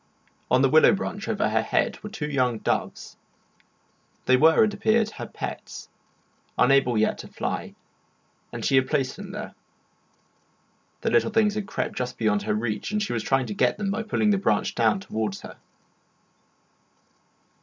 On the willow branch over her head were two young doves; they were, it appeared, her pets, unable yet to fly, and she had placed them there. The little things had crept up just beyond her reach, and she was trying to get them by pulling the branch down towards her.